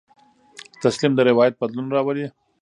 تسلیم د روایت بدلون راولي.